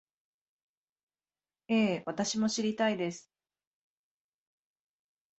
ええ、私も知りたいです